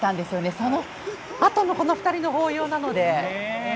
そのあとのこの２人の抱擁なので。